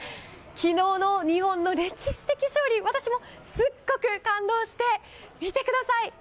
昨日の日本の歴史的勝利私もすっごく感動して見てください！